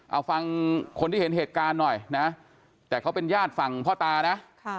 เอาฟังคนที่เห็นเหตุการณ์หน่อยนะแต่เขาเป็นญาติฝั่งพ่อตานะ